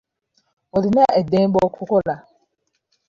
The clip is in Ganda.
Olina eddembe okukola.